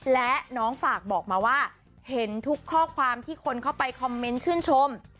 และน้องฝากบอกมาว่าเห็นทุกข้อความที่คนเข้าไปคอมเมนต์ชื่นชม